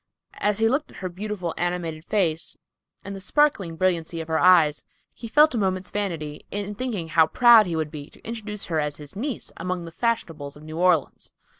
As he looked at her beautiful, animated face, and the sparkling brilliancy of her eyes, he felt a moment's vanity in thinking how proud he would be to introduce her as his niece among the fashionables of New Orleans.